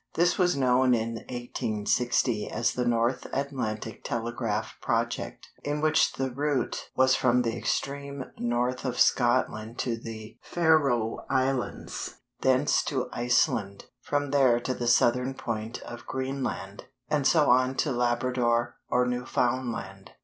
This was known in 1860 as the North Atlantic Telegraph project, in which the route was from the extreme north of Scotland to the Faroe Islands, thence to Iceland; from there to the southern point of Greenland, and so on to Labrador or Newfoundland.